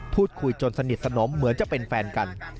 พูดคุยจนสนิทสนมเหมือนจะเป็นแฟนกัน